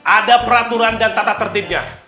ada peraturan dan tata tertibnya